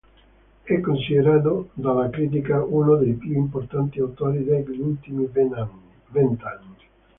È considerato dalla critica uno dei più importanti autori degli ultimi vent'anni.